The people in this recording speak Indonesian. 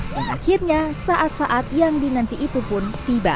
dan akhirnya saat saat yang dinanti itu pun tiba